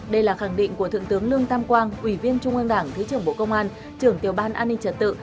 đây là khẳng định của thượng tướng lương tam quang ủy viên trung ương đảng thứ trưởng bộ công an trưởng tiểu ban an ninh trật tự